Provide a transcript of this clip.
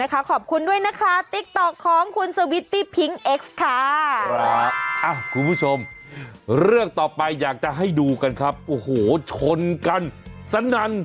คนนี้ดังใช่ไหมไม่ท่ามดา